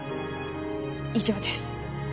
以上です。